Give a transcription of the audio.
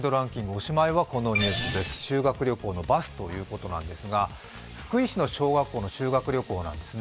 おしまいは修学旅行のバスということですが福井市の小学校の修学旅行なんですね。